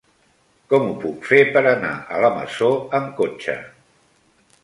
Com ho puc fer per anar a la Masó amb cotxe?